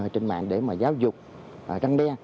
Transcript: trên mạng để mà giáo dục răng đe